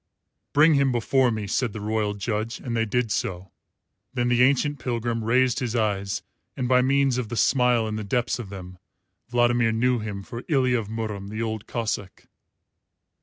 "Bring him before me," said the royal judge, and they did so. Then the ancient pilgrim raised his eyes, and by means of the smile in the depths of them Vladimir knew him for Ilya of Murom the Old Cossáck.